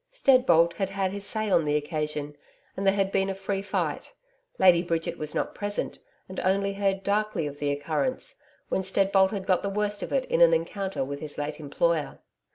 Steadbolt had had his say on the occasion, and there had been a free fight Lady Bridget was not present, and only heard darkly of the occurrence when Steadbolt had got the worst of it in an encounter with his late employer.